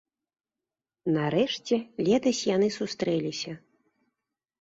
Нарэшце, летась яны сустрэліся.